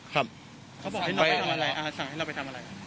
ครับเขาบอกให้เราไปทำอะไรอ่าสั่งให้เราไปทำอะไร